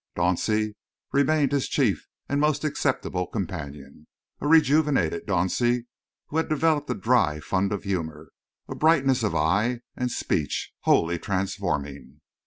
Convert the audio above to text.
Dauncey remained his chief and most acceptable companion, a rejuvenated Dauncey, who had developed a dry fund of humour, a brightness of eye and speech wholly transforming.